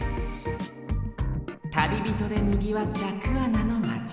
旅人でにぎわった桑名の町。